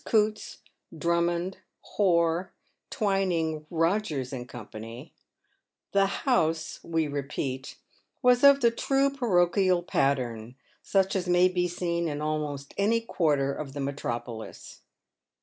Coutts, Drummond, Hoare, Twining, Rogers, and Co. — the House, we repeat, was of the true parochial pattern, such as may be seen in almost any quarter of the metro polis.